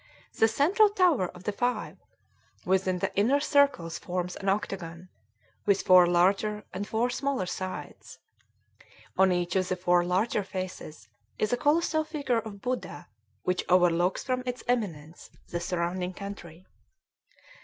The central tower of the five within the inner circle forms an octagon, with four larger and four smaller sides. On each of the four larger faces is a colossal figure of Buddha, which overlooks from its eminence the surrounding country.